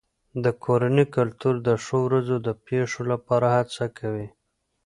د کورنۍ کلتور د ښو ورځو د پیښو لپاره هڅه کوي.